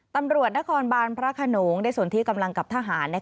ตำรวจนครบานพระขนงได้ส่วนที่กำลังกับทหาร